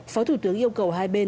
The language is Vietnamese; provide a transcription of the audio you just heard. phó thủ tướng yêu cầu hai bên